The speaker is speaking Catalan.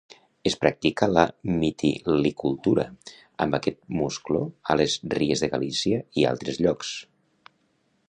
Es practica la mitilicultura amb aquest musclo a les ries de Galícia i altres llocs.